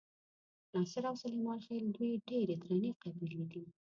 ناصر او سلیمان خېل دوې ډېرې درنې قبیلې دي.